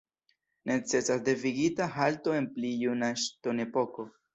Necesas devigita halto en pli juna ŝtonepoko.